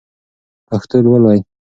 پښتو لولئ!